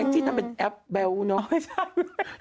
จิ๊ดทำเป็นแอปแบลว์เนอะ